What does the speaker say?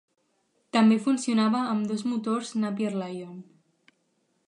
També funcionava amb dos motors Napier Lion.